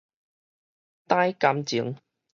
刐感情